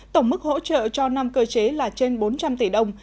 tổng mức hỗ trợ cho năm cơ chế là trên bốn trăm linh tỷ đồng